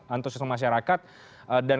antusias masyarakat dan